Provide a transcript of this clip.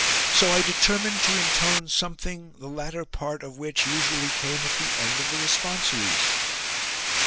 So I deter mined to intone something the latter part of which usually came at the end of the responsories."